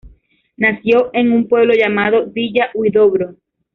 Nació en un pueblo llamado Villa Huidobro.